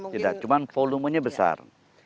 tidak cuma volumenya besar